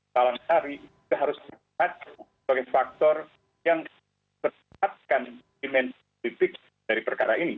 talang sari itu harus dikatakan sebagai faktor yang mempercepatkan dimensi politik dari perkara ini